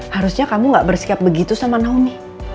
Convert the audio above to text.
harusnya kamu gak bersikap begitu sama naomi